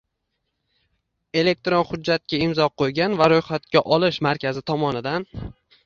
elektron hujjatga imzo qo‘ygan va ro‘yxatga olish markazi tomonidan